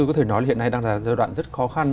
có thể nói hiện nay đang là giai đoạn rất khó khăn